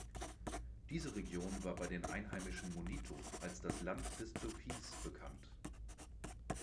Diese Region war bei den einheimischen Monitu als das „Land des Türkis“ bekannt.